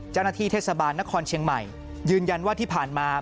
เจ้าหน้าที่เทศบาลนครเชียงใหม่ยืนยันว่าที่ผ่านมา